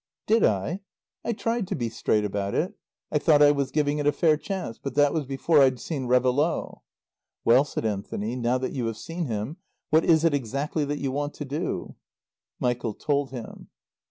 "Did I? I tried to be straight about it. I thought I was giving it a fair chance. But that was before I'd seen Réveillaud." "Well," said Anthony, "now that you have seen him, what is it exactly that you want to do?" Michael told him.